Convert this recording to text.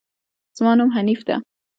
زما نوم حنيف ده